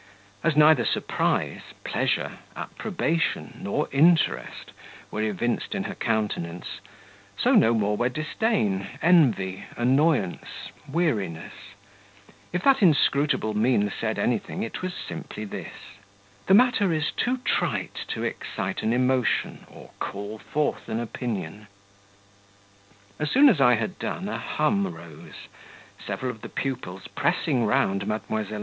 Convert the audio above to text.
As neither surprise, pleasure, approbation, nor interest were evinced in her countenance, so no more were disdain, envy, annoyance, weariness; if that inscrutable mien said anything, it was simply this "The matter is too trite to excite an emotion, or call forth an opinion." As soon as I had done, a hum rose; several of the pupils, pressing round Mdlle.